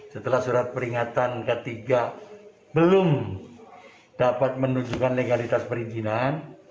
setelah surat peringatan ketiga belum dapat menunjukkan legalitas perizinan